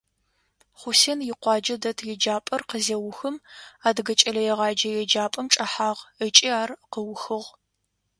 Хъусен икъуаджэ дэт еджапӀэр къызеухым, Адыгэ кӀэлэегъэджэ еджапӀэм чӀэхьагъ ыкӀи ар къыухыгъ.